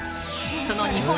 その日本